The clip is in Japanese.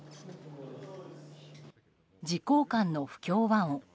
自公間の不協和音。